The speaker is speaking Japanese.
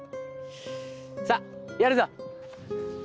さぁやるぞ。